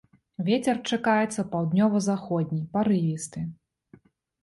Вецер чакаецца паўднёва-заходні парывісты.